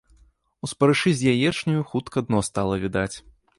У спарышы з яечняю хутка дно стала відаць.